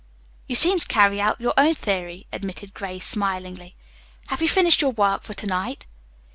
"You seem to carry out your own theory," admitted Grace smilingly. "Have you finished your work for to night?"